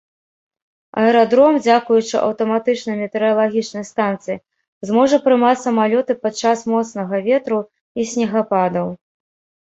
Аэрадром, дзякуючы аўтаматычнай метэаралагічнай станцыі, зможа прымаць самалёты падчас моцнага ветру і снегападаў.